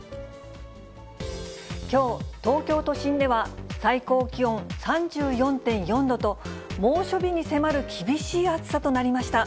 きょう、東京都心では最高気温３４．４度と、猛暑日に迫る厳しい暑さとなりました。